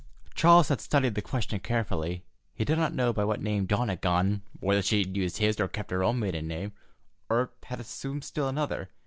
Charles had studied the question carefully. He did not know by what name Dawn had gone, whether she had used his or kept her own maiden name, or had assumed still another.